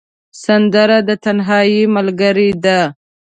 سندره د تنهايي ملګرې ده